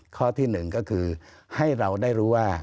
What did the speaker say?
ข้อที่๑ก็คือให้เราได้รู้ว่า